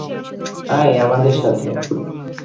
আয় আমাদের সাথে।